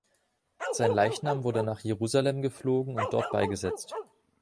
Sein Leichnam wurde nach Jerusalem geflogen und dort beigesetzt.